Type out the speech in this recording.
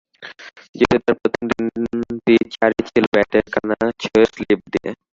যদিও তাঁর প্রথম তিনটি চারই ছিল ব্যাটের কানা ছুঁয়ে স্লিপ দিয়ে।